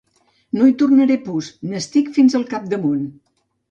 No hi tornaré pus, n'estic fins al cap damunt.